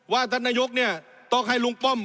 ท่านนายกเนี่ยต้องให้ลุงป้อม